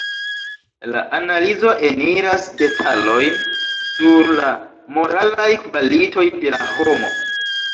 La analizo eniras detalojn sur la moralaj kvalitoj de la homo.